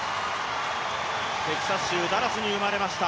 テキサス州ダラスに生まれました。